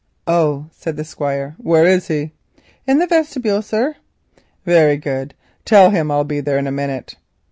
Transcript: "Oh," said the Squire. "Where is he?" "In the vestibule, sir." "Very good. Tell him I will be there in a minute."